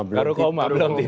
baru koma belum tito